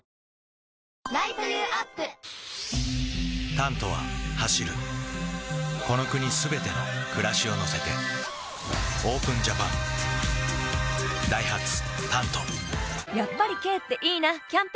「タント」は走るこの国すべての暮らしを乗せてＯＰＥＮＪＡＰＡＮダイハツ「タント」やっぱり軽っていいなキャンペーン